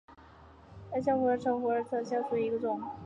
矮小虎耳草为虎耳草科虎耳草属下的一个种。